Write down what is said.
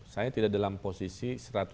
saya tidak dalam posisi